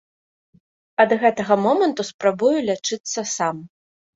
А да гэтага моманту спрабую лячыцца сам.